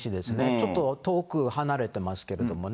ちょっと遠く離れてますけどもね。